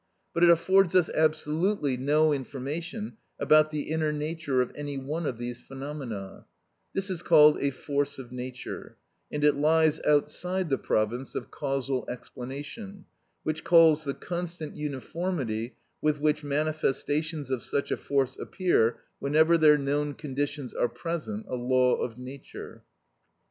But it affords us absolutely no information about the inner nature of any one of these phenomena: this is called a force of nature, and it lies outside the province of causal explanation, which calls the constant uniformity with which manifestations of such a force appear whenever their known conditions are present, a law of nature.